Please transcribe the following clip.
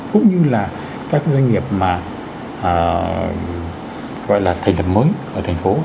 cũng như là các doanh nghiệp mà gọi là thành lập mới ở thành phố